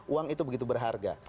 uang itu begitu berharga